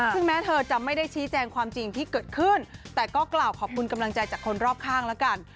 ซึ่งแม้เธอจะไม่ได้ชี้แจงความจริงที่เกิดขึ้นแต่ก็กล่าวขอบคุณกำลังใจจากคนรอบข้างแล้วกัน